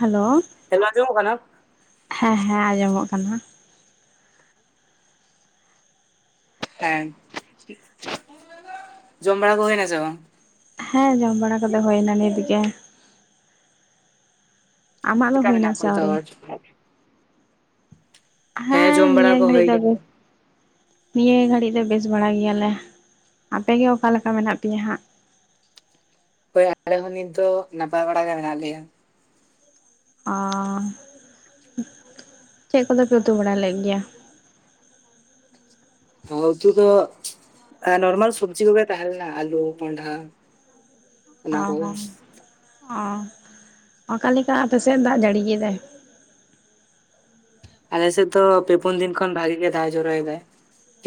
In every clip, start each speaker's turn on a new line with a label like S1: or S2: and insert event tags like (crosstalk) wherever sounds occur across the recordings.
S1: Hello
S2: hello ᱟᱸᱡᱚᱢᱚᱜ ᱠᱟᱱᱟ?
S1: ᱦᱮᱸ ᱦᱮᱸ ᱟᱸᱡᱚᱢᱚᱜ ᱠᱟᱱᱟ ᱾
S2: ᱦᱮᱸ (inaudible) ᱡᱚᱢ ᱵᱟᱲᱟ ᱠᱚ ᱦᱩᱭᱱᱟ ᱥᱮ ᱵᱟᱝ?
S1: ᱦᱮᱸ ᱡᱚᱢ ᱵᱟᱲᱟ ᱠᱚᱫᱚ ᱦᱩᱭᱱᱟ ᱱᱤᱛ ᱜᱮ ᱾ ᱟᱢᱟᱜᱫᱚ
S2: ᱪᱮᱫᱠᱟ
S1: ᱦᱩᱭᱱᱟ
S2: ᱢᱮᱱᱟᱜ
S1: ᱥᱮ
S2: ᱠᱚᱣᱟ ᱡᱚᱛᱚ
S1: ᱟᱹᱣᱨᱤ?
S2: ᱦᱚᱲ?
S1: ᱦᱮᱸ
S2: ᱡᱚᱢ ᱵᱟᱲᱟ
S1: ᱱᱤᱭᱟᱹ
S2: ᱠᱚ
S1: ᱜᱷᱟᱹᱲᱤᱡ
S2: ᱦᱩᱭ
S1: ᱫᱚ
S2: ᱠᱟᱱᱟ
S1: ᱵᱮᱥ ᱾ ᱱᱤᱭᱟᱹ ᱜᱷᱟᱹᱲᱤᱡ ᱫᱚ ᱵᱮᱥ ᱵᱟᱲᱟ ᱜᱮᱭᱟᱞᱮ᱾ᱟᱯᱮᱜᱮ ᱚᱠᱟ ᱞᱮᱠᱟ ᱢᱮᱱᱟᱜ ᱯᱮᱭᱟ ᱦᱟᱸᱜ?
S2: ᱦᱳᱭ ᱟᱞᱮ ᱦᱚᱸ ᱱᱤᱛ ᱫᱚ ᱱᱟᱯᱟᱭ ᱵᱟᱲᱟ ᱜᱮ ᱢᱮᱱᱟᱜ ᱞᱮᱭᱟ ᱾
S1: ᱟ ᱪᱮᱫ ᱠᱚᱫᱚᱯᱮ ᱩᱛᱩ ᱵᱟᱲᱟ ᱞᱮᱫ ᱜᱮᱭᱟ?
S2: ᱦᱚᱸ ᱩᱛᱩ ᱫᱚ ᱱᱚᱨᱢᱟᱞ ᱥᱚᱵᱽᱡᱤ ᱠᱚᱜᱮ ᱛᱟᱦᱮᱸᱞᱮᱱᱟ ᱟᱞᱩ ᱠᱚᱱᱰᱟ ᱾
S1: (inaudible) ᱚᱼ ᱦᱚᱸ ᱚ ᱾ ᱚᱠᱟ ᱞᱮᱠᱟ ᱟᱯᱮ ᱥᱮᱫ ᱫᱟᱜ ᱡᱟᱹᱲᱤ ᱮᱫᱟᱭ?
S2: ᱟᱞᱮ ᱥᱮᱫ ᱫᱚ ᱯᱮ ᱯᱩᱱ ᱫᱤᱱ ᱠᱷᱚᱱ ᱵᱷᱟᱜᱤ ᱜᱮ ᱫᱟᱜ ᱡᱚᱨᱚᱭᱮᱫᱟᱭ ᱾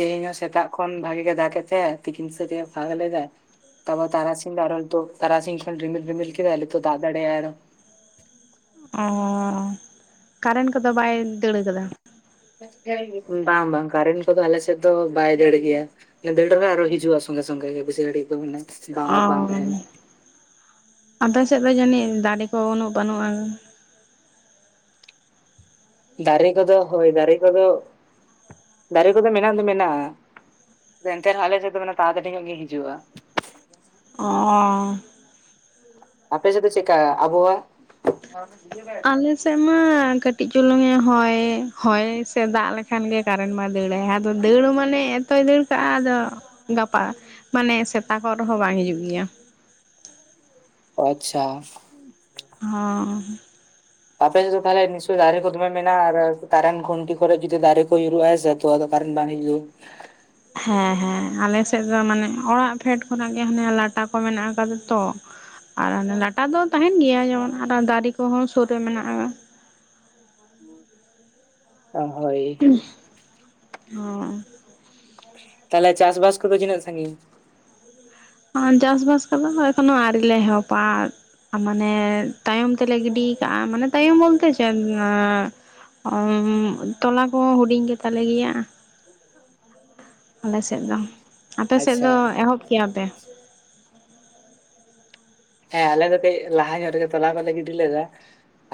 S2: ᱛᱮᱦᱮᱧ ᱦᱚᱸ ᱥᱮᱛᱟᱜ ᱠᱷᱚᱱ ᱵᱷᱟᱜᱤ ᱜᱮ ᱫᱟᱜᱮᱫ ᱛᱟᱦᱮᱸ ᱛᱤᱠᱤᱱ ᱥᱮᱛ ᱮ ᱯᱷᱟᱸᱠ ᱞᱮᱫᱟ ᱾ ᱛᱚᱵᱮ ᱛᱟᱨᱟᱥᱤᱧ ᱫᱚ ᱟᱨᱚ ᱱᱤᱛᱚᱜ ᱛᱟᱨᱟᱥᱤᱧ ᱠᱷᱚᱱ ᱨᱢᱤᱤᱞ ᱨᱤᱢᱤᱞ ᱠᱮᱫᱟᱭ ᱱᱤᱛᱚᱜ ᱫᱟᱜ ᱫᱟᱲᱮᱭᱟᱜᱟᱭ ᱟᱨᱚ ᱾
S1: (unintelligible) ᱠᱟᱨᱮᱱ ᱠᱚᱫᱚ ᱵᱟᱭ ᱫᱟᱹᱲ ᱟᱠᱟᱫᱟ?
S2: (unintelligible) ᱵᱟᱝ ᱵᱟᱝ ᱠᱟᱨᱮᱱᱴ ᱠᱚᱫᱚ ᱟᱞᱮ ᱥᱮᱫ ᱫᱚ ᱵᱟᱭ ᱫᱟᱹᱲ ᱜᱮᱭᱟ᱾ ᱫᱟᱹᱲ ᱨᱮ ᱟᱨᱚ ᱦᱤᱡᱩᱜᱼᱟ ᱥᱚᱸᱜᱮ ᱥᱚᱸᱜᱮ ᱜᱮ ᱵᱮᱥᱤ ᱜᱷᱟᱹᱲᱤᱡ ᱫᱚ ᱢᱟᱱᱮ ᱵᱟᱝ
S1: ᱚ
S2: ᱚᱯᱷ ᱵᱟᱝ ᱛᱟᱦᱮᱱᱟ
S1: ᱟᱯᱮ ᱥᱮᱫ ᱫᱚ ᱡᱟᱹᱱᱤᱡ ᱫᱟᱨᱮ ᱠᱚ ᱩᱱᱟᱹᱜ ᱵᱟᱹᱱᱩᱜᱼᱟ?
S2: ᱫᱟᱨᱮ ᱠᱚᱫᱚ ᱦᱳᱭ ᱫᱟᱨᱮ ᱠᱚᱫᱚ ᱾ ᱫᱟᱨᱮ ᱠᱚᱫᱚ ᱢᱮᱱᱟᱜ ᱫᱚ ᱢᱮᱱᱟᱜᱼᱟ ᱮᱱᱛᱮ ᱨᱮᱦᱚᱸ ᱟᱞᱮ ᱥᱮᱛ ᱫᱚ ᱢᱟᱱᱮ (unintelligible) ᱜᱮ ᱦᱤᱡᱩᱜᱼᱟ ᱾
S1: ᱚ
S2: ᱟᱯᱮ ᱥᱮᱫ ᱫᱚ ᱪᱮᱫᱠᱟ ᱟᱵᱚᱦᱣᱟ (unintelligible)
S1: ᱟᱞ ᱥᱮᱫ ᱢᱟ ᱠᱟᱹᱴᱤᱡ ᱪᱩᱞᱩᱝᱼᱮ ᱦᱚᱭ ᱦᱚᱭ ᱥᱮ ᱫᱟᱜ ᱞᱮ ᱠᱷᱟᱱ ᱜᱮ ᱠᱟᱨᱮᱱ ᱢᱟ ᱫᱟᱹᱲᱟᱭ ᱟᱫᱚ ᱫᱟᱹᱲ ᱢᱟᱱᱮ ᱮᱛᱚᱭ ᱫᱟᱹᱲ ᱠᱟᱜᱼᱟ ᱟᱫᱚ ᱜᱟᱯᱟ ᱢᱟᱱᱮ ᱥᱮᱛᱟᱠᱚᱜ ᱨᱮᱦᱚᱸ ᱵᱟᱝ ᱦᱤᱡᱩᱜ ᱜᱮᱭᱟ
S2: ᱟᱪᱪᱷᱟ
S1: ᱦᱚᱸ
S2: ᱟᱯᱮ ᱥᱮᱫ ᱫᱚ ᱛᱟᱦᱞᱮ ᱱᱤᱥᱚᱭ ᱫᱟᱨᱮ ᱠᱚ ᱫᱚᱢᱮ ᱢᱮᱱᱟᱼᱟ ᱟᱨ ᱠᱟᱨᱮᱱ ᱠᱷᱩᱱᱴᱤ ᱠᱚᱨᱮ ᱡᱩᱫᱤ ᱫᱟᱨᱮ ᱠᱚ ᱭᱩᱨᱩᱜᱼᱟ ᱦᱮᱥᱮ ᱛᱚ ᱟᱫᱚ ᱠᱟᱨᱮᱱ ᱵᱟᱝ ᱦᱤᱡᱩᱜ
S1: ᱦᱮ ᱦᱮ ᱟᱞᱮ ᱥᱮᱫ ᱫᱚ ᱢᱟᱱᱮ ᱚᱲᱟᱜ ᱯᱷᱮᱰ ᱠᱷᱚᱱᱟᱜ ᱜᱮ ᱦᱟᱱᱮ ᱞᱟᱴᱟ ᱠᱚ ᱢᱮᱱᱟᱜ ᱠᱟᱫᱟ ᱛᱚ ᱟᱨ ᱚᱱᱟ ᱞᱟᱴᱟ ᱫᱚ ᱛᱟᱦᱮᱸᱱ ᱜᱮᱭᱟ ᱡᱮᱢᱚᱱ ᱟᱨᱚ ᱫᱟᱨᱮ ᱠᱚᱦᱚᱸ ᱥᱩᱨ ᱨᱮ ᱢᱮᱱᱟᱜᱼᱟ
S2: ᱚ ᱦᱳᱭ
S1: (unintelligible) ᱦᱚᱸ
S2: ᱛᱟᱞᱦᱮ ᱪᱟᱥ ᱵᱟᱥ ᱠᱚᱫᱚ ᱛᱤᱱᱟᱹᱜ ᱥᱟᱺᱜᱤᱧ
S1: ᱚᱸ ᱪᱟᱥ ᱵᱟᱥ ᱠᱚᱫᱚ ᱮᱠᱷᱚᱱᱳ ᱟᱨᱤ ᱞᱮ ᱮᱦᱚᱵᱟ ᱢᱟᱱᱮ ᱛᱟᱭᱚᱢ ᱛᱮᱞᱮ ᱜᱤᱰᱤ ᱠᱟᱜᱼᱟ ᱢᱟᱱᱮ ᱛᱟᱭᱚᱢ ᱵᱚᱞᱛᱮ ᱪᱮᱫ ᱟᱸ ᱚᱢ ᱛᱚᱞᱟ ᱠᱚ ᱦᱩᱰᱤᱧ ᱜᱮ ᱛᱟᱞᱮ ᱜᱮᱭᱟ
S2: (unintelligible)
S1: ᱟᱞᱮ ᱥᱮᱫ ᱫᱚ ᱟᱯᱮ ᱥᱮᱫ ᱫᱚ
S2: ᱟᱪᱪᱷᱟ
S1: ᱮᱦᱚᱵ ᱠᱮᱼᱟᱯᱮ
S2: ᱦᱮ ᱟᱞᱮ ᱫᱚ ᱠᱟᱹᱡ ᱞᱟᱦᱟ ᱧᱚᱜ ᱨᱮᱜᱮ ᱛᱚᱞᱟ ᱠᱚᱞᱮ ᱜᱤᱰᱤ ᱞᱮᱟ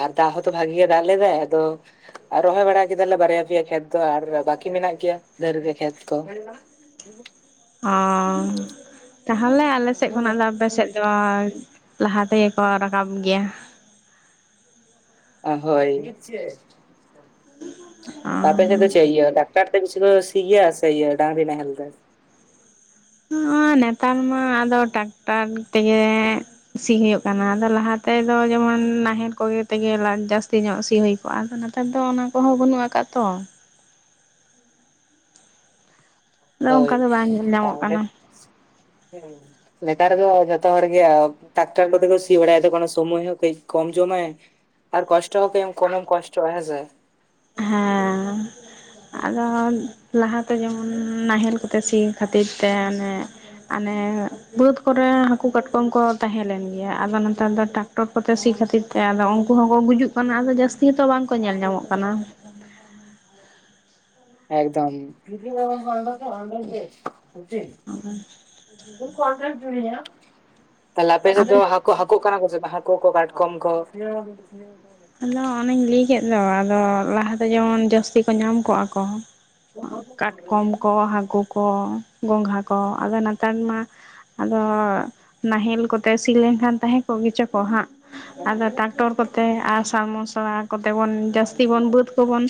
S2: ᱟᱨ ᱫᱟᱜ ᱦᱚᱛᱚ ᱵᱷᱟᱜᱤ ᱜᱮ ᱫᱟᱜ ᱞᱮᱫᱟᱭ ᱟᱫᱚ ᱟᱨ ᱨᱚᱦᱚᱭ ᱵᱟᱲᱟ ᱠᱮᱫᱟᱞᱮ ᱵᱟᱨᱭᱟ ᱯᱮᱭᱟ ᱠᱷᱮᱛ ᱫᱚ ᱟᱨ ᱵᱟᱠᱤ ᱢᱮᱱᱟᱜ ᱜᱮᱭᱟ ᱫᱟᱹᱨ ᱜᱮ ᱠᱷᱮᱛ ᱠᱚ (unintelligible)
S1: ᱚ--ᱛᱟᱦᱚᱞᱮ ᱟᱞᱮᱥᱮᱫ ᱠᱷᱚᱱᱟᱜ ᱫᱚ ᱟᱯᱮᱥᱮᱫ ᱫᱚ ᱞᱟᱦᱟ ᱛᱮᱜᱮ ᱠᱚ ᱨᱟᱠᱟᱵ ᱜᱮᱭᱟ
S2: ᱚ ᱦᱳᱭ
S1: ᱚ
S2: (unintelligible) ᱟᱯᱮ ᱥᱮᱜ ᱫᱚ ᱪᱮᱜ ᱤᱭᱟᱹ (unintelligible) ᱵᱮᱥᱤ ᱠᱚ ᱥᱤᱜᱮᱭᱟ ᱥᱮ ᱤᱭᱟᱹ ᱰᱟᱝᱨᱤ ᱱᱟᱦᱮᱞ ᱛᱮ
S1: ᱦᱚᱸ--ᱱᱮᱛᱟᱨ ᱢᱟ ᱟᱫᱚ ᱴᱟᱠᱴᱟᱨ ᱛᱮᱜᱮ ᱥᱤ ᱦᱩᱭᱩᱜ ᱠᱟᱱᱟ ᱟᱫᱚ ᱞᱟᱦᱟ ᱛᱮᱫᱚ ᱡᱮᱢᱚᱱ ᱱᱟᱦᱮᱞ ᱠᱚᱜᱮ ᱛᱮᱜᱮ ᱡᱟᱥᱛᱤ ᱧᱚᱜ ᱥᱤ ᱦᱩᱭ ᱚ ᱟᱫᱚ ᱱᱮᱛᱟᱨ ᱫᱚ ᱚᱱᱟ ᱠᱚᱦᱚᱸ ᱵᱟᱹᱱᱩᱜ ᱠᱟᱜᱼᱟ ᱛᱚ ᱟᱫᱚ ᱚᱱᱠᱟ
S2: ᱦᱳᱭ
S1: ᱫᱚ ᱵᱟᱝ ᱧᱮᱞ ᱧᱟᱢᱚᱜ
S2: ᱛᱟᱦᱚᱞᱮ
S1: ᱠᱟᱱᱟ
S2: (unintelligible) ᱱᱮᱛᱟᱨ ᱫᱚ ᱡᱷᱚᱛᱚ ᱦᱚᱲ ᱜᱮ ᱴᱟᱠᱴᱟᱨ ᱠᱚᱛᱮ ᱠᱚ ᱥᱤ ᱵᱟᱲᱟᱭᱫᱟᱠᱚ ᱠᱚ ᱚᱱᱟ ᱥᱚᱢᱚᱭ ᱦᱚᱸ ᱠᱟᱹᱡ ᱠᱚᱢ ᱡᱚᱢᱟᱭ ᱟᱨ ᱠᱚᱥᱴᱚ ᱦᱚᱸ ᱠᱟᱹᱡ ᱠᱚᱢᱮᱢ ᱠᱚᱥᱴᱚᱼᱟ ᱦᱮᱸ ᱥᱮ
S1: ᱦᱮᱸ ᱟᱫᱚ ᱞᱟᱦᱟᱛᱮ ᱡᱮᱢᱚᱱ ᱱᱟᱦᱮᱞ ᱠᱚᱛᱮ ᱥᱤ ᱠᱷᱟᱹᱛᱤᱨ ᱛᱮ ᱚᱱᱮ ᱟᱱᱮᱻ ᱵᱟᱹᱫᱽ ᱠᱚᱨᱮ ᱦᱟᱹᱠᱩ ᱠᱟᱴᱠᱚᱢ ᱠᱚ ᱛᱟᱦᱮᱸ ᱞᱮᱱ ᱜᱮᱭᱟ ᱟᱫᱚ ᱱᱮᱛᱟᱨ ᱫᱚ ᱴᱟᱠᱴᱚᱨ ᱠᱚᱛᱮ ᱥᱤ ᱠᱷᱟᱹᱛᱤᱨ ᱛᱮ ᱪᱮᱜ ᱟᱫᱚ ᱩᱝᱠᱩ ᱦᱚᱸᱠᱚ ᱜᱩᱡᱩᱜ ᱠᱟᱱᱟ ᱟᱫᱚ ᱡᱟᱹᱥᱛᱤ ᱦᱚᱸᱛᱚ ᱵᱟᱝᱠᱚ ᱧᱮᱞ ᱧᱟᱢᱚᱜ ᱠᱟᱱᱟ
S2: ᱮᱠᱫᱚᱢ (unintelligible) (unintelligible) ᱛᱟᱞᱦᱮ ᱟᱯᱮ ᱥᱮᱫ ᱫᱚ ᱦᱟᱹᱠᱩ ᱦᱟᱹᱠᱩᱜ ᱠᱟᱱᱟ ᱠᱚ ᱥᱮ ᱵᱟᱝ ᱦᱟᱹᱠᱩ ᱠᱚ ᱠᱟᱴᱠᱚᱢ ᱠᱚ (unintelligible)
S1: ᱟᱫᱚ ᱚᱱᱤᱧ ᱞᱟᱹᱭ ᱠᱮᱫ ᱫᱚ ᱟᱫᱚ ᱞᱟᱦᱟᱛᱮ ᱡᱮᱢᱚᱱ ᱡᱟᱹᱥᱛᱤ ᱠᱚ ᱧᱟᱢ ᱠᱚᱜ-ᱟ ᱠᱚ ᱚ ᱠᱟᱴᱠᱚᱢ ᱠᱚ ᱦᱟᱠᱩ ᱠᱚ ᱜᱚᱸᱜᱷᱟ ᱠᱚ ᱟᱫᱚ ᱱᱮᱛᱟᱨ ᱢᱟ ᱟᱫᱚ ᱱᱟᱦᱮᱞ ᱠᱚᱛᱮ ᱥᱤ ᱞᱮᱝᱠᱷᱟᱱ ᱛᱟᱦᱮᱸ ᱠᱚᱜ ᱜᱮᱪᱟ ᱠᱚ ᱦᱟᱸᱜ ᱟᱫᱚ ᱴᱨᱟᱠᱴᱚᱨ ᱠᱚᱛᱮ ᱟᱥᱟᱼᱢᱚᱥᱲᱟ ᱠᱚᱛᱮ ᱵᱚᱱ ᱡᱟᱹᱥᱛᱤ ᱵᱚᱱ ᱵᱟᱹᱫᱽ ᱠᱚᱵᱚᱱ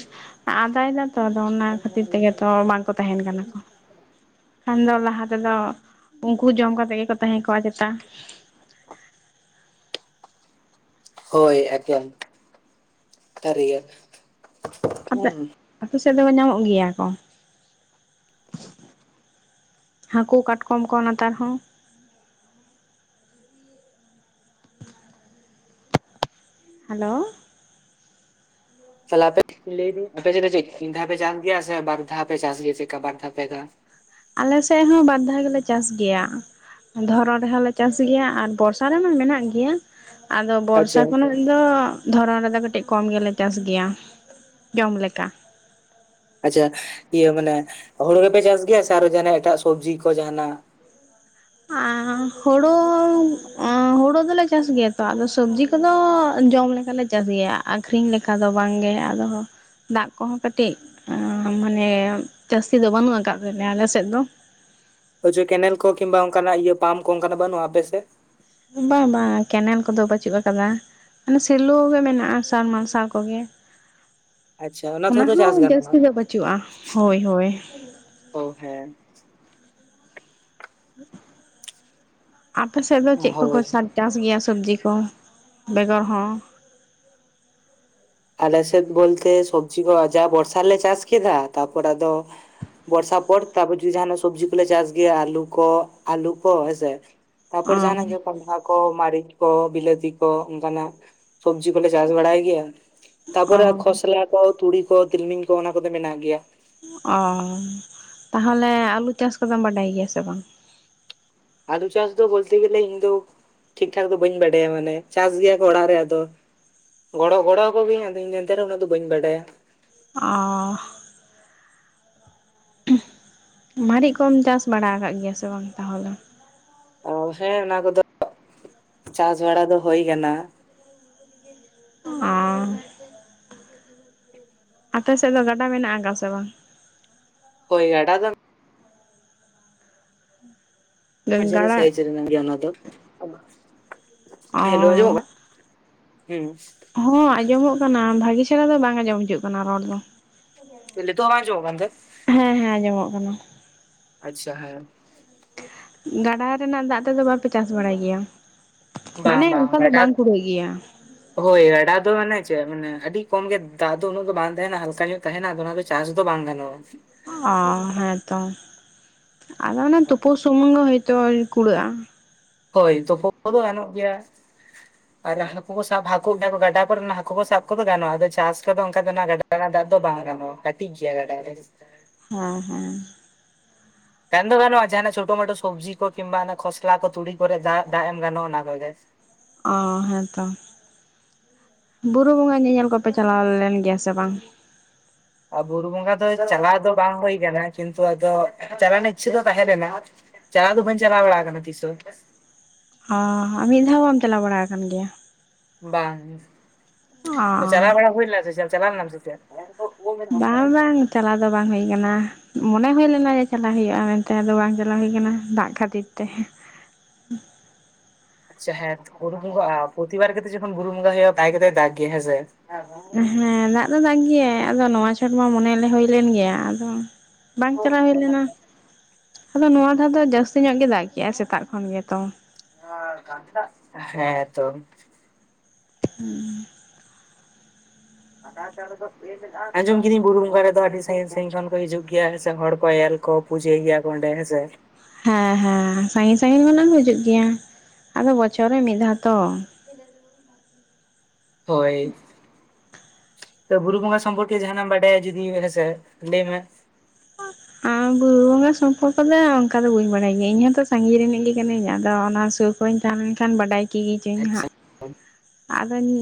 S1: ᱟᱫᱟᱭᱫᱟ ᱛᱚ ᱟᱫᱚ ᱚᱱᱟ ᱠᱷᱟᱹᱛᱤᱨ ᱛᱮᱜᱮ ᱛᱚ ᱵᱟᱝᱠᱚ ᱛᱟᱦᱮᱸᱱ ᱠᱟᱱᱟ ᱠᱚ ᱠᱷᱟᱱ ᱫᱚ ᱞᱟᱦᱟ ᱛᱮᱫᱚ ᱩᱝᱠᱩ ᱡᱚᱢ ᱠᱟᱛᱮᱝ ᱜᱮᱠᱚ ᱛᱟᱦᱮᱸ ᱠᱚᱜᱼᱟ ᱪᱮᱛᱟ (unintelligible)
S2: ᱦᱳᱭ ᱮᱠᱚᱢ ᱥᱟᱹᱨᱜᱮ
S1: ᱟᱯᱮᱜ ᱟᱯᱮᱥᱮᱫ ᱫᱚᱠᱚ ᱧᱟᱢᱚᱜ ᱜᱮᱭᱟ ᱠᱚ ᱦᱟᱹᱠᱩ ᱠᱟᱴᱠᱚᱢ ᱠᱚ ᱱᱮᱛᱟᱨ ᱦᱚᱸ ᱦᱮᱞᱳ
S2: ᱛᱟᱦᱚᱞᱮᱯᱮᱫ ᱞᱟᱹᱭ ᱫᱟᱹᱧ ᱟᱯᱮ ᱪᱮᱫ ᱪᱮᱫ ᱪ (inaudible) ᱫᱷᱟᱣ ᱯᱮ ᱪᱟᱥ ᱜᱮᱭᱟ ᱥᱮ ᱵᱟᱨ ᱫᱷᱟᱣ ᱯᱮ ᱪᱟᱥ ᱜᱮᱭᱟ ᱪᱮᱫᱠᱟ ᱵᱟᱨ ᱫᱷᱟᱣ ᱯᱮ ᱫᱷᱟᱣ
S1: ᱟᱞᱮᱥᱮᱫ ᱦᱚᱸ ᱵᱟᱨ ᱫᱷᱟᱣ ᱜᱮᱞᱮ ᱪᱟᱥ ᱜᱮᱭᱟ ᱫᱷᱚᱨᱚᱱ ᱨᱮᱦᱚᱸᱞᱮ ᱪᱟᱥ ᱜᱮᱭᱟ ᱟᱨ ᱵᱚᱨᱥᱟ ᱨᱮᱢᱟ ᱢᱮᱱᱟᱜ ᱜᱮᱭᱟ ᱟᱫᱚ ᱵᱚᱨᱥᱟ
S2: ᱟᱪᱪᱷᱟ
S1: ᱠᱷᱚᱱ ᱟᱞ (inaudible) ᱫᱚ ᱫᱷᱚᱨᱚᱱ ᱨᱮᱫᱚ ᱠᱟᱹᱴᱤᱡ ᱠᱚᱢ ᱜᱮᱞᱮ ᱪᱟᱥ ᱜᱮᱭᱟ ᱡᱚᱢ ᱞᱮᱠᱟ
S2: ᱟᱪᱪᱷᱟ ᱤᱭᱟᱹ ᱢᱟᱱᱮ ᱦᱩᱲᱩ ᱜᱮᱯᱮ ᱪᱟᱥ ᱜᱮᱭᱟ ᱥᱮ ᱟᱨᱚ ᱡᱟᱦᱟᱱᱟᱜ ᱮᱴᱟᱜ ᱥᱚᱵᱽᱡᱤ ᱠᱚ ᱡᱟᱦᱟᱱᱟᱜ
S1: ᱦᱳᱲᱳ ᱦᱩᱲᱩ ᱫᱚᱞᱮ ᱪᱟᱥ ᱜᱮᱭᱟ ᱛᱚ ᱟᱫᱚ ᱥᱚᱵᱡᱤ ᱠᱚᱫᱚ ᱡᱚᱢ ᱞᱮᱠᱟᱞᱮ ᱪᱟᱥ ᱜᱮᱭᱟ ᱚᱱᱠᱟ ᱫᱚ ᱵᱟᱝᱜᱮ ᱟᱫᱚᱦᱚᱸ ᱫᱟᱜ ᱠᱚᱦᱚᱸ ᱠᱟᱹᱴᱤᱡ ᱢᱟᱱᱮ ᱡᱟᱹᱥᱛᱤ ᱫᱚ ᱵᱟᱹᱱᱩᱜ ᱟᱠᱟᱫ ᱛᱮᱭᱟ ᱟᱞᱮᱥᱮᱫ ᱫᱚ
S2: ᱦᱳᱭᱪᱚ ᱠᱮᱱᱮᱞ ᱠᱚ ᱠᱤᱝᱵᱟ ᱚᱱᱠᱟᱱᱟᱜ ᱤᱭᱟᱹ ᱯᱟᱢᱯ ᱠᱚ ᱚᱱᱠᱟᱱᱟᱜ ᱵᱟᱹᱱᱩᱜᱼᱟ ᱟᱯᱮᱥᱮᱫ
S1: ᱵᱟᱝ ᱵᱟᱝ ᱠᱮᱱᱮᱞ ᱠᱚᱫᱚ ᱵᱟᱹᱪᱩᱜ ᱟᱠᱟᱫᱟ ᱢᱟᱱᱮ ᱥᱮᱞᱩ ᱜᱮ ᱢᱮᱱᱟᱜ-ᱟ ᱥᱟᱵᱽᱢᱟᱨᱥᱟᱞ ᱠᱚᱜᱮ
S2: ᱟᱪᱪᱷᱟ
S1: ᱚᱱᱟ
S2: ᱛᱮᱦᱚᱸᱛᱚ ᱪᱟᱥ
S1: ᱦᱚᱸ ᱡᱟᱹᱥᱛᱤ
S2: ᱜᱟᱱᱚᱜᱼᱟ
S1: ᱫᱚ ᱵᱟᱹᱪᱩᱜᱼᱟ ᱦᱳᱭ ᱦᱳᱭ
S2: ᱚ ᱦᱮᱸ
S1: ᱟᱯᱮ ᱥᱮᱫ ᱫᱚ ᱪᱮᱫ ᱠᱚ ᱠᱚ
S2: ᱦᱳᱭ
S1: ᱥᱟᱨ ᱪᱟᱥ ᱜᱮᱭᱟ ᱥᱚᱵᱽᱡᱤ ᱠᱚ ᱵᱮᱜᱟᱲ ᱦᱚᱸ
S2: ᱟᱞᱮᱥᱮᱫ ᱵᱚᱞᱛᱮ ᱥᱚᱵᱡᱤ ᱠᱚ ᱡᱟ ᱵᱚᱨᱥᱟ ᱨᱮᱞᱮ ᱪᱟᱥ ᱠᱮᱫᱟ ᱛᱟᱨᱯᱚᱨ ᱟᱫᱚ ᱵᱚᱨᱥᱟ ᱯᱚᱨ ᱛᱟᱯᱚᱨ ᱡᱫᱤ ᱡᱟᱦᱟᱱᱟᱜ ᱥᱚᱵᱡᱤ ᱠᱚᱞᱮ ᱪᱟᱥ ᱜᱮᱭᱟ ᱟᱞᱩ ᱠᱚ ᱟᱞᱩ ᱠᱚ ᱦᱮᱸᱥᱮ ᱛᱟᱯᱚᱨ
S1: ᱚ
S2: ᱡᱟᱦᱟᱱᱟᱜ ᱜᱮ ᱠᱚᱸᱰᱷᱟ ᱠᱚ ᱢᱟᱹᱨᱤᱪ ᱠᱚ ᱵᱤᱞᱟᱹᱛᱤ ᱠᱚ ᱚᱱᱠᱟᱱᱟᱜ ᱥᱚᱵᱡᱤ ᱠᱚᱞᱮ ᱪᱟᱥ ᱵᱟᱲᱟᱭ ᱜᱮᱭᱟ
S1: ᱚ
S2: ᱛᱟᱯᱚᱨᱮ ᱠᱷᱚᱥᱞᱟ ᱠᱚ ᱛᱩᱲᱤ ᱠᱚ ᱛᱤᱞᱢᱤᱧ ᱠᱚ ᱚᱱᱟ ᱠᱚᱫᱚ ᱢᱮᱱᱟᱜ ᱜᱮᱭᱟ
S1: ᱚ ᱛᱟᱦᱚᱞᱮ ᱟᱞᱩ ᱪᱟᱥ ᱠᱚᱫᱚᱢ ᱵᱟᱰᱟᱭ ᱜᱮᱭᱟ ᱥᱮ ᱵᱟᱝ
S2: ᱟᱞᱩ ᱪᱟᱥ ᱫᱚ ᱵᱚᱞᱛᱮ ᱜᱮᱞᱮ ᱤᱧᱫᱚ ᱴᱷᱤᱠ ᱴᱷᱟᱠ ᱫᱚ ᱵᱟᱹᱧ ᱵᱟᱰᱟᱭᱟ ᱢᱟᱱᱮ ᱪᱟᱥ ᱜᱮᱭᱟ ᱠᱚ ᱚᱲᱟᱜ ᱨᱮ ᱟᱫᱚ ᱜᱚᱲᱚ ᱜᱚᱲᱚ ᱟᱠᱜᱤᱭᱟᱹᱧ ᱟᱫᱚ ᱤᱧ ᱫᱚ ᱮᱱᱛᱮ ᱨᱮᱦᱚᱸ ᱩᱱᱟᱹᱜ ᱫᱚ ᱵᱟᱹᱧ ᱵᱟᱰᱟᱭᱟ
S1: ᱚ ᱢᱟᱨᱤᱡ ᱠᱚᱢ ᱪᱟᱥ ᱵᱟᱲᱟ ᱟᱠᱟᱫ ᱜᱮᱭᱟ ᱥᱮ ᱵᱟᱝ ᱛᱟᱦᱚᱞᱮ
S2: ᱚ ᱦᱮᱸ ᱚᱱᱟ ᱠᱚᱫᱚ ᱪᱟᱥ ᱵᱟᱲᱟ ᱫᱚ ᱦᱚᱭ ᱠᱟᱱᱟ
S1: ᱟᱨ ᱟᱯᱮ ᱥᱮᱫ ᱫᱚ ᱜᱟᱰᱟ ᱢᱮᱱᱟᱜ ᱟᱠᱟᱜ ᱥᱮ ᱵᱟᱝ
S2: ᱦᱳᱭ ᱜᱟᱰᱟ ᱫᱚ
S1: ᱵᱟᱝ
S2: ᱢᱟᱡᱷᱟᱨᱤ
S1: ᱜᱟᱰᱟ
S2: ᱥᱟᱹᱭᱤᱪ ᱜᱮᱭᱟ ᱚᱱᱟᱫᱚ
S1: ᱚ
S2: ᱦᱮᱞᱳ ᱟᱡᱚᱢᱚᱜ ᱠᱟ ᱦᱩᱸ
S1: ᱦᱚᱸ ᱟᱸᱡᱚᱢᱚᱜ ᱠᱟᱱᱟ ᱵᱷᱟᱹᱜᱤ ᱪᱷᱮᱨᱦᱟ ᱫᱚ ᱵᱟᱝ ᱟᱸᱡᱚᱢ ᱦᱤᱡᱩᱜ ᱠᱟᱱᱟ ᱨᱚᱲ ᱫᱚ
S2: ᱞᱤᱛᱚᱜ ᱦᱚᱸ ᱵᱟᱝ ᱟᱸᱡᱚᱢᱚᱜ ᱠᱟᱱᱛᱮ
S1: ᱦᱮᱸ ᱦᱮᱸ ᱟᱸᱡᱚᱢᱚᱜ ᱠᱟᱱᱟ
S2: ᱟᱪᱪᱷᱟ ᱦᱮᱸ
S1: ᱜᱟᱰᱟ ᱨᱮᱱᱟᱜ ᱫᱟᱜ ᱛᱮᱫᱚ ᱵᱟᱯᱮ ᱪᱟᱥ ᱵᱟᱲᱟᱭ ᱜᱮᱭᱟ
S2: ᱵᱟᱝ
S1: ᱢᱟᱱᱮ ᱚᱱᱠᱟ ᱫᱚ
S2: ᱜᱟᱰᱟ
S1: ᱵᱟᱝ ᱠᱩᱲᱟᱹᱜ ᱜᱮᱭᱟ
S2: ᱦᱳᱭ ᱜᱟᱰᱟ ᱫᱚ ᱢᱟᱱᱮ ᱪᱮᱫ ᱢᱟᱱᱮ ᱟᱹᱰᱤ ᱠᱚᱢ ᱜᱮ ᱫᱟᱜ ᱫᱚ ᱩᱱᱟᱹᱜ ᱫᱚ ᱵᱟᱝ ᱛᱟᱦᱮᱱᱟ ᱦᱟᱞᱠᱟ ᱧᱚᱜ ᱛᱟᱦᱮᱱᱟ ᱟᱫᱚ ᱚᱱᱟ ᱫᱚ ᱪᱟᱥ ᱫᱚ ᱵᱟᱝ ᱜᱟᱱᱚᱜᱼᱟ
S1: ᱚ ᱦᱮᱸᱛᱚ ᱟᱫᱚ ᱚᱱᱮ ᱛᱩᱯᱩ ᱥᱩᱢᱩᱝ ᱜᱮ ᱦᱚᱭᱛᱚ ᱠᱩᱲᱟᱹᱜᱼᱟ
S2: ᱦᱚᱭ ᱛᱚᱯᱚᱜ ᱠᱚᱫᱚ ᱜᱟᱱᱚᱜ ᱜᱮᱭᱟ
S1: (inaudible)
S2: ᱟᱨ ᱦᱟᱹᱠᱩ ᱠᱚ ᱥᱟᱵ ᱦᱟᱹᱠᱩ ᱜᱟᱰᱟ ᱠᱚᱨᱮ ᱦᱟᱹᱠᱩ ᱠᱚ ᱥᱟᱵ ᱠᱚᱫᱚ ᱜᱟᱱᱼᱟ ᱟᱫᱚ ᱪᱟᱥ ᱠᱚᱫᱚ ᱚᱱᱠᱟ ᱜᱟᱰᱟ ᱚᱱᱟ ᱫᱟᱜ ᱫᱚ ᱵᱟᱝ ᱜᱟᱱᱚᱜᱼᱟ ᱠᱟᱹᱴᱤᱡ ᱜᱮᱭᱟ ᱜᱟᱰᱟ ᱨᱮ
S1: ᱦᱮᱸ ᱦᱮᱸ
S2: ᱜᱟᱱ ᱫᱚ ᱜᱟᱱᱚᱜᱼᱟ ᱡᱟᱦᱟᱱᱟᱜ ᱪᱷᱳᱴᱳ ᱢᱳᱴᱳ ᱥᱚᱵᱽᱡᱤ ᱠᱚ ᱠᱤᱢᱵᱟ ᱠᱷᱚᱥᱞᱟ ᱠᱚ ᱛᱩᱲᱤ ᱠᱚᱨᱮ ᱫᱟᱜ ᱮᱢ ᱜᱟᱱᱚᱜᱼᱟ ᱚᱱᱟ ᱠᱚᱜᱮ
S1: ᱚ ᱦᱮᱸ ᱛᱚ ᱵᱩᱨᱩ ᱵᱚᱸᱜᱟ ᱧᱮᱧᱮᱞ ᱠᱚᱯᱮ ᱪᱟᱞᱟᱣᱢ ᱞᱮᱱ ᱜᱮᱭᱟ ᱥᱮ ᱵᱟᱝ?
S2: ᱵᱩᱨᱩ ᱵᱚᱸᱜᱟ ᱫᱚ ᱪᱟᱞᱟᱣ ᱫᱚ ᱵᱟᱝ ᱦᱩᱭ ᱠᱟᱱᱟ ᱠᱤᱱᱛᱩ ᱟᱫᱚ ᱪᱟᱞᱟᱣ ᱨᱮᱱᱟᱜ ᱤᱪᱷᱟᱹ ᱫᱚ ᱛᱟᱦᱮᱸ ᱞᱮᱱᱟ ᱪᱟᱞᱟᱣ ᱫᱚ ᱵᱟᱹᱧ ᱪᱟᱞᱟᱣ ᱵᱟᱲᱟ ᱟᱠᱟᱱᱟ ᱛᱤᱥᱚ ᱮᱱᱛᱮᱜ?
S1: ᱚ ᱢᱤᱫ ᱫᱷᱟᱣ ᱵᱟᱢ ᱪᱟᱞᱟᱣ ᱵᱟᱲᱟ ᱟᱠᱟᱱ ᱜᱮᱭᱟ?
S2: ᱵᱟᱝ
S1: ᱚ
S2: ᱪᱟᱞᱟᱣ ᱵᱟᱲᱟ ᱦᱩᱭ ᱞᱮᱱᱟ ᱥᱮ ᱪᱮ ᱪᱟᱞᱟᱣ ᱞᱮᱱᱟᱢ ᱥᱮ? ᱪᱮᱫ?
S1: ᱵᱟᱝ ᱵᱟᱝ ᱪᱟᱞᱟᱣ ᱫᱚ ᱵᱟᱝ ᱦᱩᱭ ᱟᱠᱟᱱᱟ ᱾ ᱢᱚᱱᱮ ᱦᱩᱭ ᱞᱮᱱᱟ ᱡᱮ ᱪᱟᱞᱟᱣ ᱦᱩᱭᱩᱜᱼᱟ ᱢᱮᱱ ᱛᱮ ᱟᱫᱚ ᱵᱟᱝ ᱪᱟᱞᱟᱣ ᱦᱩᱭ ᱟᱠᱟᱱᱟ ᱫᱟᱜ ᱠᱷᱟᱹᱛᱤᱨ ᱛᱮ ᱾
S2: ᱟᱪᱷᱟ ᱦᱮᱸ ᱵᱩᱨᱩ ᱵᱚᱸᱜᱟ ᱟᱨ ᱯᱨᱚᱛᱤᱵᱟᱨ ᱠᱟᱛᱮ ᱡᱚᱠᱷᱚᱱ ᱵᱩᱨᱩ ᱵᱚᱸᱜᱟ ᱦᱩᱭᱩᱜᱼᱟ ᱛᱟᱭ ᱠᱟᱛᱮ ᱫᱟᱜ ᱜᱮᱭᱟ ᱦᱮᱸᱥᱮ
S1: ᱦᱮᱸ ᱫᱟᱜ ᱫᱚ ᱫᱟᱜ ᱜᱮᱭᱟ ᱟᱫᱚ ᱱᱚᱶᱟ ᱪᱷᱚᱴ ᱢᱟ ᱢᱚᱱᱮ ᱞᱮ ᱦᱩᱭᱞᱱ ᱜᱮᱭᱟ ᱟᱫᱚ ᱵᱟᱝ ᱪᱟᱞᱟᱣ ᱦᱩᱭ ᱞᱮᱱᱟ ᱾ ᱟᱫᱚ ᱱᱚᱶᱟ ᱫᱷᱟᱣ ᱫᱚ ᱡᱟᱹᱥᱛᱤ ᱧᱚᱜ ᱜᱮ ᱫᱟᱜ ᱠᱮᱫᱼᱟᱭ ᱥᱮᱛᱟᱜ ᱠᱷᱚᱱ ᱜᱮᱛᱚ ᱾
S2: (unintelligible) ᱦᱮᱸ ᱛᱚ ᱾
S1: ᱦᱩᱸ ᱾
S2: (unintelligible) ᱟᱸᱡᱚᱢ ᱠᱤᱫᱟᱹᱧ ᱵᱩᱨᱩ ᱵᱚᱸᱜᱟ ᱨᱮᱫᱚ ᱟᱹᱰᱤ ᱥᱟᱹᱜᱤᱧ ᱥᱟᱺᱜᱤᱧ ᱠᱷᱚᱱ ᱠᱚ ᱦᱤᱡᱩᱜ ᱜᱮᱭᱟ ᱥᱮ ᱦᱚᱲ ᱠᱚ ᱮᱞ ᱠᱚ ᱾ ᱯᱩᱡᱟᱹᱭ ᱜᱮᱭᱟ ᱠᱚ ᱚᱸᱰᱮ ᱦᱮᱸ ᱥᱮ?
S1: ᱦᱮᱸ ᱦᱮᱸ ᱥᱟᱺᱜᱤᱧ ᱥᱟᱺᱜᱤᱧ ᱠᱷᱚᱱᱟᱜ ᱮᱢ ᱦᱤᱡᱩᱜ ᱜᱮᱭᱟ ᱟᱫᱚ ᱵᱚᱪᱷᱚᱨ ᱨᱮ ᱢᱤᱫ ᱫᱷᱟᱣ ᱛᱚ ᱾
S2: ᱦᱳᱭ ᱾ ᱛᱚ ᱵᱩᱨᱩ ᱵᱚᱸᱜᱟ ᱥᱚᱢᱯᱚᱨᱠᱮ ᱡᱟᱦᱟᱱᱟᱢ ᱵᱟᱰᱟᱭᱟ ᱡᱩᱫᱤ ᱦᱮᱸᱥᱮ ᱞᱟᱹᱭ ᱢᱮ
S1: ᱟᱨ ᱵᱩᱨᱩ ᱱᱚᱶᱟ ᱥᱚᱢᱯᱚᱨᱠᱚ ᱫᱚ ᱚᱱᱠᱟ ᱫᱚ ᱵᱟᱹᱧ ᱵᱟᱰᱟᱭ ᱜᱮᱭᱟ ᱤᱧ ᱦᱚᱸᱛᱚ ᱥᱟᱺᱜᱤᱧ ᱨᱤᱱᱤᱡ ᱜᱮ ᱠᱟᱹᱱᱟᱹᱧ ᱟᱫᱚ ᱚᱱᱟ ᱥᱩᱨ ᱠᱚᱧ ᱛᱟᱦᱮᱸ ᱞᱮᱱ ᱠᱷᱟᱱ ᱵᱟᱰᱟᱭ ᱠᱤᱡᱤᱧ
S2: ᱟᱪᱪᱷᱟ
S1: ᱦᱟᱸᱜ ᱟᱫᱚᱧ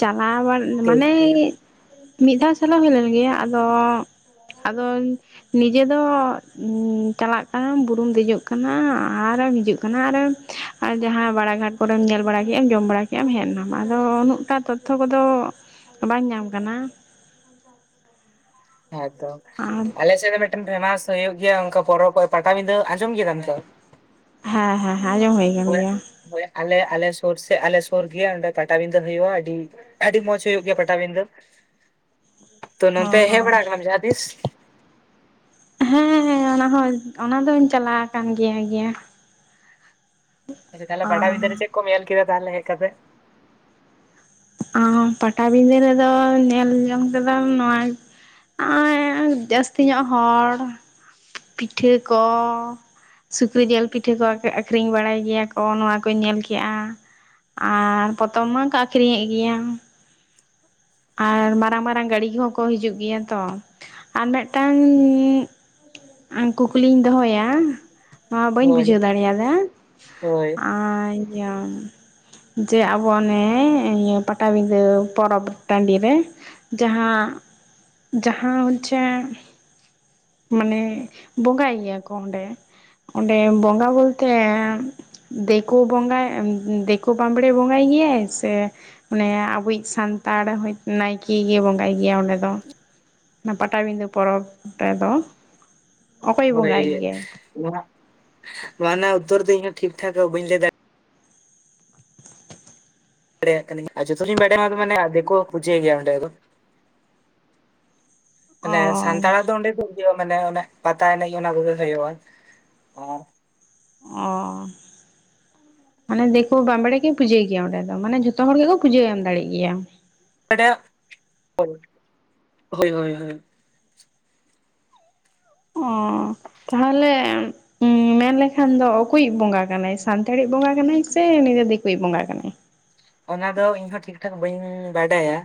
S1: ᱪᱟᱞᱟᱣᱟ ᱢᱟᱱᱮᱻ
S2: ᱦᱮᱸ
S1: ᱢᱤᱫ ᱫᱷᱟᱣ ᱥᱮᱱᱚᱜ ᱦᱩᱭ ᱞᱮᱱ ᱜᱮᱭᱟ ᱟᱫᱚ ᱟᱫᱚᱢ ᱱᱤᱡᱮ ᱫᱚ ᱪᱟᱞᱟᱜ ᱠᱟᱱᱟ ᱵᱩᱨᱩᱢ ᱫᱮᱡᱚᱜ ᱠᱟᱱᱟ ᱟᱨᱮᱢ ᱦᱤᱡᱩᱜ ᱠᱟᱱᱟ ᱟᱨᱮᱢ ᱟᱨ ᱡᱟᱦᱟᱸ ᱵᱟᱲᱟ ᱜᱷᱟᱴ ᱠᱚᱨᱮᱢ ᱧᱮᱞ ᱵᱟᱲᱟ ᱠᱮ ᱟᱢ ᱡᱚᱢ ᱵᱟᱲᱟ ᱠᱮᱼᱟ ᱮᱢ ᱦᱮᱡ ᱮᱱᱟᱢ ᱟᱫᱚ ᱩᱱᱟᱹᱜ ᱴᱟ ᱛᱚᱛᱛᱷᱚ ᱠᱚᱫᱚ ᱵᱟᱝ ᱧᱟᱢ ᱟᱠᱟᱱᱟ ᱾
S2: ᱦᱮᱸᱛᱚ
S1: ᱟᱨ
S2: ᱟᱞᱮ ᱥᱮᱫ ᱫᱚ ᱢᱤᱫ ᱴᱮᱱ ᱯᱷᱮᱢᱟᱥ ᱦᱩᱭᱩᱜ ᱜᱮᱭᱟ ᱚᱱᱠᱟ ᱯᱚᱨᱚᱵᱽ ᱯᱟᱴᱟᱵᱤᱸᱫᱟᱹ ᱟᱸᱡᱚᱢ ᱠᱮᱫᱟᱢ ᱛᱚ
S1: ᱦᱮᱸ ᱦᱮᱸ ᱦᱮᱸ ᱟᱸᱡᱚᱢᱮᱫ
S2: ᱦᱳᱭ ᱦᱳᱭ ᱟᱞᱮ ᱟᱞᱮ ᱥᱩᱨ ᱥᱮ ᱟᱞᱮ ᱥᱩᱨ ᱜᱮ ᱚᱸᱰᱮ ᱯᱟᱴᱟᱵᱤᱸᱫᱟᱹ ᱦᱩᱭᱩᱜᱼᱟ ᱟᱹᱰᱤ ᱾ ᱟᱹᱰᱤ ᱢᱚᱸᱡᱽ ᱦᱩᱭᱩᱜ ᱜᱮᱭᱟ ᱯᱟᱴᱟᱵᱤᱸᱫᱟᱹ ᱾
S1: (inaudible)
S2: ᱛᱚ
S1: ᱦᱮᱸ
S2: ᱱᱚᱱᱛᱮ
S1: ᱦᱮᱸ
S2: ᱦᱮᱡ ᱵᱟᱲᱟ ᱟᱠᱟᱱᱟᱢ ᱡᱟᱦᱟᱸ ᱛᱤᱥ?
S1: ᱦᱮᱸ ᱚᱱᱟᱦᱚ ᱚᱱᱟ ᱫᱚᱧ ᱪᱟᱞᱟᱣ ᱟᱠᱟᱱ ᱜᱮᱭᱟ ᱜᱮᱭᱟ
S2: ᱟᱫᱚ ᱛᱟᱦᱚᱞᱮ ᱯᱟᱴᱟᱵᱤᱸᱫᱟᱹ ᱨᱮ ᱪᱮᱫ ᱠᱚᱢ ᱧᱮᱞ ᱠᱮᱫᱟ ᱛᱟᱦᱚᱞᱮ ᱦᱮᱡ ᱠᱟᱛᱮ
S1: ᱯᱟᱴᱟᱵᱤᱸᱫᱟᱹ ᱨᱮ ᱫᱚ ᱧᱮᱞ ᱡᱚᱝ ᱛᱮᱫᱚ ᱱᱚᱶᱟ ᱟᱸᱭ ᱡᱟᱹᱥᱛᱤ ᱧᱚᱜ ᱦᱚᱲ ᱾ ᱯᱤᱴᱷᱟᱹ ᱠᱚ ᱾ ᱥᱩᱠᱨᱤ ᱡᱤᱞ ᱯᱤᱴᱷᱟᱹ ᱠᱚ ᱟᱠᱷᱨᱤᱧ ᱵᱟᱲᱟᱭ ᱜᱮᱭᱟ ᱠᱚ ᱱᱚᱶᱟ ᱠᱚᱧ ᱧᱮᱞ ᱠᱮᱜᱼᱟ ᱾ ᱟᱨᱻ ᱯᱚᱛᱚᱵ ᱢᱟᱠᱚ ᱟᱠᱷᱨᱤᱧ ᱧᱮᱫ ᱜᱮᱭᱟ᱾ ᱟᱨ ᱢᱟᱨᱟᱝ ᱢᱟᱨᱟᱝ ᱜᱟᱹᱰᱤ ᱠᱚᱦᱚᱸ ᱠᱚ ᱦᱤᱡᱩᱜ ᱜᱮᱭᱟ ᱛᱚ ᱟᱨ ᱢᱤᱫ ᱴᱟᱝ ᱟᱸ ᱠᱩᱠᱞᱤᱧ ᱫᱚᱦᱚᱭᱟ ᱱᱚᱶᱟ ᱵᱟᱹᱧ
S2: ᱦᱳᱭ
S1: ᱵᱩᱡᱷᱟᱹᱣ ᱫᱟᱲᱮᱭᱟᱫᱟ
S2: ᱦᱳᱭ
S1: ᱟᱨ (unintelligible) ᱡᱮ ᱟᱵᱚ ᱚᱱᱮ ᱤᱭᱟᱹ ᱯᱟᱴᱟᱵᱤᱫᱟᱹ ᱯᱚᱨᱚᱵᱽ ᱴᱟᱺᱰᱤ ᱨᱮ ᱡᱟᱦᱟᱸ ᱡᱟᱦᱟᱸ ᱦᱚᱸᱪᱮ ᱢᱟᱱᱮ ᱵᱚᱸᱜᱟᱭ ᱜᱮᱭᱟ ᱠᱚ ᱚᱸᱰᱮ ᱚᱸᱰᱮ ᱵᱚᱸᱜᱟ ᱵᱚᱞ ᱛᱮ ᱫᱮᱠᱳ ᱵᱚᱸᱜᱟ ᱮᱸ ᱫᱮᱠᱳ ᱵᱟᱢᱲᱮ ᱵᱚᱸᱜᱟᱭ ᱜᱮᱭᱟ ᱥᱮ? ᱢᱚᱱᱮ ᱟᱵᱚᱭᱤᱡ ᱥᱟᱱᱛᱟᱲ ᱦᱚᱭ ᱾ ᱱᱟᱭᱠᱮ ᱜᱮ ᱵᱚᱸᱜᱟᱭ ᱜᱮᱭᱟ ᱚᱸᱰᱮ ᱫᱚ ᱚᱱᱟ ᱯᱟᱴᱟᱵᱤᱸᱫᱟᱹ ᱯᱚᱨᱚᱵᱽ ᱨᱮᱫᱚ ᱾
S2: ᱦᱚᱭ ᱢᱟᱜ ᱢᱟᱱᱟᱣ ᱩᱛᱟ. ᱨ ᱫᱟ. ᱧ ᱤᱧ ᱦᱚᱸ ᱴᱷᱤᱠ ᱴᱷᱟᱠ ᱦᱚᱸ ᱵᱟᱹᱧ ᱞᱟᱹᱭ ᱫᱟᱲᱮᱭᱟᱜᱼᱟ ᱾ ᱟᱨ ᱡᱚᱛᱚ ᱞᱤᱧ ᱵᱟᱰᱟᱭᱟ ᱟᱨ ᱢᱟᱱᱮ ᱟᱨ ᱫᱮᱠᱳ ᱯᱩᱡᱟᱭ ᱜᱮᱭᱟ ᱚᱸᱰᱮ ᱫᱚ ᱾ ᱢᱟᱱᱮ
S1: ᱚ
S2: ᱥᱟᱱᱛᱟᱲᱟᱜ ᱫᱚ ᱚᱸᱰᱮ ᱫᱚ ᱤᱭᱳ ᱢᱟᱱᱮ ᱚᱱᱮ ᱯᱟᱛᱟ ᱮᱱᱮᱡ ᱜᱮ ᱚᱱᱟ ᱠᱚᱜᱮ ᱦᱩᱭᱩᱜᱼᱟ᱾
S1: ᱚᱻᱻ ᱢᱟᱱᱮ ᱫᱤᱠᱩ ᱵᱟᱢᱵᱲᱮ ᱜᱮ ᱯᱩᱡᱟᱹᱭ ᱜᱮᱭᱟ ᱚᱸᱰᱮ ᱫᱚ ᱢᱟᱱᱮ ᱡᱷᱚᱛᱚ ᱦᱚᱲ ᱜᱮᱠᱚ ᱯᱩᱡᱟᱹᱭ ᱮᱢ ᱫᱟᱲᱮᱜ ᱜᱮᱭᱟ
S2: (unintelligible) ᱦᱳᱭ ᱦᱳᱭ ᱦᱳᱭ ᱦᱳᱭ
S1: ᱚ ᱛᱟᱦᱚᱞᱮ ᱩᱸᱸ ᱢᱮᱱ ᱞᱮᱠᱷᱟᱱ ᱫᱚ ᱚᱠᱚᱭᱤᱡ ᱵᱚᱸᱜᱟ ᱠᱟᱱᱟᱭ ᱥᱟᱱᱛᱟᱲᱤᱡ ᱵᱚᱸᱜᱟ ᱠᱟᱱᱟᱭ ᱥᱮ ᱱᱤᱡᱮ ᱫᱤᱠᱩᱭᱤᱡ ᱵᱚᱸᱜᱟ ᱠᱟᱱᱟᱭ
S2: ᱚᱱᱟ ᱫᱚ ᱤᱧ ᱦᱚᱸ ᱴᱷᱤᱠ ᱴᱷᱟᱠ ᱵᱟᱹᱧ ᱵᱟᱰᱟᱭᱟ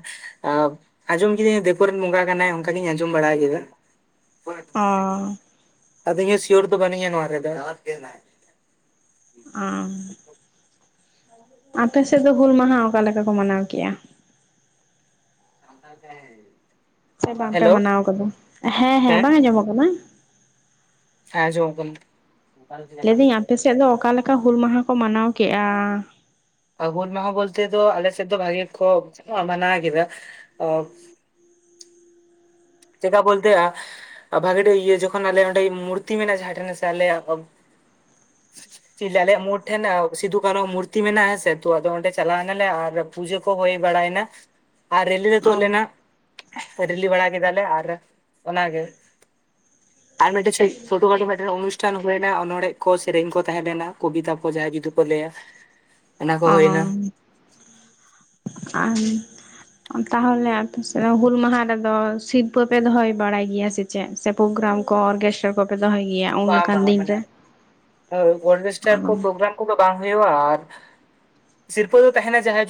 S2: ᱟᱨ ᱟᱸᱡᱚᱢ ᱠᱤᱫᱟᱹᱧ ᱫᱮᱠᱳ ᱨᱮᱱ ᱵᱚᱸᱜᱟ ᱠᱟᱱᱟᱭ ᱚᱱᱠᱟ ᱜᱤᱧ ᱟᱸᱡᱚᱢ ᱵᱟᱲᱟ ᱠᱮᱫᱟ
S1: ᱚ
S2: (inaudible) ᱟᱫᱚ ᱤᱧ ᱦᱚᱸ ᱥᱤᱭᱳᱨ ᱫᱚ ᱵᱟᱹᱱᱩᱧᱟ ᱱᱚᱣᱟ ᱨᱮᱫᱚ (unintelligible)
S1: (inaudible) ᱟᱯᱮ ᱥᱮᱫ ᱫᱚ ᱦᱩᱞ ᱢᱟᱦᱟ ᱚᱠᱟ ᱞᱮᱠᱟ ᱠᱚ ᱢᱟᱱᱟᱣ ᱠᱮᱭᱟ?
S2: ᱥᱟᱱᱛᱟᱲ ᱛᱮ (unintelligible)
S1: ᱥᱮ ᱵᱟᱝ ᱯᱮ ᱢᱟᱱᱟᱣ ᱟᱠᱟᱫᱟ? ᱦᱮᱸ ᱦᱮᱸ ᱵᱟᱝ ᱟᱸᱡᱚᱢᱚᱜ ᱠᱟᱱᱟ
S2: ᱦᱮᱸ ᱟᱸᱡᱚᱢ ᱠᱟᱱᱟ᱾
S1: ᱞᱟᱹᱭᱫᱟᱹᱧ ᱟᱯᱮᱥᱮᱫ ᱫᱚ ᱚᱠᱟᱮᱠᱟ ᱦᱩᱞ ᱢᱟᱦᱟ ᱠᱚ ᱢᱟᱱᱟᱣ ᱠᱮᱜᱼᱟ?
S2: (unintelligible) ᱵᱚᱞᱛᱮ ᱫᱚ ᱟᱞᱮᱥᱮᱫ ᱫᱚ ᱵᱷᱟᱹᱜᱤ ᱠᱚ ᱢᱟᱱᱟᱣ ᱠᱮᱫᱟ ᱪᱮᱫᱟᱜ ᱵᱚᱞᱛᱮ ᱟ ᱵᱷᱟᱹᱜᱤ ᱴᱷᱮᱡ ᱤᱭᱟᱹ ᱡᱚᱠᱷᱚᱱ ᱟᱞᱮ ᱚᱸᱰᱮ ᱢᱩᱨᱛᱤ ᱢᱮᱱᱟᱜᱼᱟ ᱡᱟᱦᱟᱸᱴᱷᱮᱱ ᱥᱮ ᱟᱞᱮ (unintelligible) (unintelligible) ᱟᱞᱮᱭᱟᱜ ᱢᱳᱲ ᱴᱷᱮᱱ ᱥᱤᱫᱩ ᱠᱟᱱᱩ ᱢᱩᱨᱛᱤ ᱢᱮᱱᱟᱜᱼᱟ ᱥᱮ ᱛᱚ ᱟᱫᱚ ᱚᱸᱰᱮ ᱪᱟᱞᱟᱣ ᱱᱟᱞᱮ ᱟᱨ ᱯᱩᱡᱟᱹ ᱠᱚ ᱦᱩᱭ ᱵᱟᱲᱟᱭ ᱱᱟ ᱟᱨ ᱨᱮᱞᱤ ᱛᱩᱫ
S1: ᱚ
S2: ᱞᱮᱱᱟ ᱨᱮᱞᱤ ᱵᱟᱲᱟ (unintelligible) ᱟᱞᱮ ᱟᱨ ᱚᱱᱟᱜᱮ ᱟᱨ ᱢᱤᱫᱴᱮᱱ ᱪᱷᱳᱴᱳ ᱢᱳᱴᱳ ᱢᱤᱫᱴᱟᱝ ᱚᱱᱩᱥ ᱴᱷᱮᱱ ᱦᱩᱭᱱᱟ ᱚᱱᱚᱲᱦᱮ ᱠᱚ ᱥᱮᱨᱮᱧ ᱠᱚ ᱛᱟᱦᱮᱸ ᱞᱮᱱᱟ ᱠᱚᱵᱤᱛᱟ ᱠᱚ ᱡᱟᱦᱟᱸᱭ ᱡᱩᱫᱤ ᱠᱚ ᱞᱟᱹᱭᱟ ᱚᱱᱟ
S1: ᱚ
S2: ᱠᱚ ᱦᱩᱭᱱᱟ
S1: ᱟᱨ ᱛᱟᱦᱚᱞᱮ ᱟᱯᱮ ᱥᱮ ᱦᱩᱞ ᱢᱟᱦᱟ ᱨᱮᱫᱚ ᱥᱤᱨᱯᱟᱹ ᱯᱮ ᱫᱚᱦᱚᱭ ᱵᱟᱲᱟᱭ ᱜᱮᱭᱟ ᱥᱤ ᱪᱮᱜ ᱥᱮ ᱯᱨᱳᱜᱨᱟᱢ ᱠᱚ ᱚᱨ ᱪᱮᱫ ᱠᱚᱯᱮ ᱫᱚᱦᱚᱭ ᱜᱮᱭᱟ ᱩᱱ
S2: ᱵᱟᱝ
S1: ᱞᱮᱠᱟᱱ
S2: ᱵᱟᱝ
S1: ᱫᱤᱱ
S2: ᱢᱟᱱᱮ
S1: ᱨᱮ
S2: ᱚᱨᱜᱮᱥᱴᱟᱨ
S1: ᱚ
S2: ᱠᱚ ᱯᱳᱜᱨᱟᱢ ᱠᱷᱩᱵ ᱫᱚ ᱵᱟᱝ ᱦᱩᱭᱩᱜᱼᱟ, ᱟᱨ ᱥᱤᱨᱯᱟᱹ ᱫᱚ ᱛᱟᱦᱮᱱᱟ ᱡᱟᱦᱟᱸᱭ